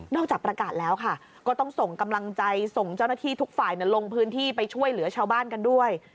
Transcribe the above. จากประกาศแล้วค่ะก็ต้องส่งกำลังใจส่งเจ้าหน้าที่ทุกฝ่ายลงพื้นที่ไปช่วยเหลือชาวบ้านกันด้วย